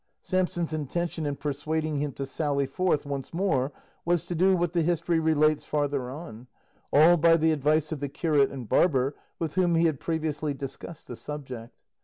Samson's intention in persuading him to sally forth once more was to do what the history relates farther on; all by the advice of the curate and barber, with whom he had previously discussed the subject.